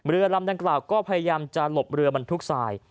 เรือลำดังกล่าวก็พยายามจะหลบเรือบรรทุกทราย